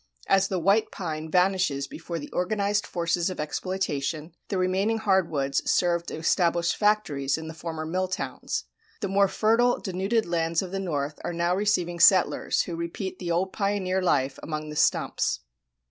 As the white pine vanishes before the organized forces of exploitation, the remaining hard woods serve to establish factories in the former mill towns. The more fertile denuded lands of the north are now receiving settlers who repeat the old pioneer life among the stumps.